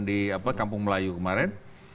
di kampung melayu kemarin